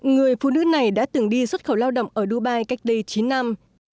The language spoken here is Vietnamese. người phụ nữ này đã từng đi xuất khẩu lao động ở dubai cách đây chín năm